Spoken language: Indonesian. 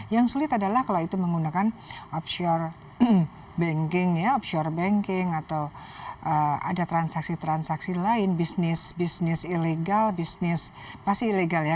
yang sulit adalah kalau itu menggunakan offshore banking ya offshore banking atau ada transaksi transaksi lain bisnis bisnis ilegal bisnis pasti ilegal ya